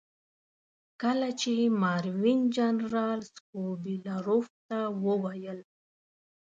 کله چې ماروین جنرال سکوبیلروف ته وویل.